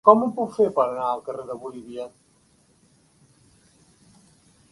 Com ho puc fer per anar al carrer de Bolívia?